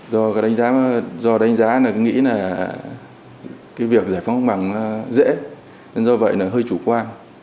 do đánh giá là nghĩ là cái việc giải phóng hoạt bằng dễ nên do vậy là hơi chủ quan